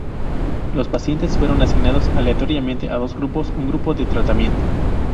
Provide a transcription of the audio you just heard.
Los pacientes fueron asignados aleatoriamente a dos grupos: un grupo de tratamiento.